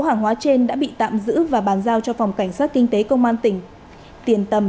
hàng hóa trên đã bị tạm giữ và bàn giao cho phòng cảnh sát kinh tế công an tỉnh tiền tầm